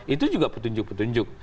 itu juga petunjuk petunjuk